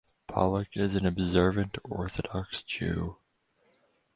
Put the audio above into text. Pollack is an observant Orthodox Jew.